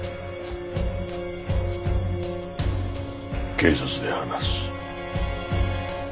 警察で話す。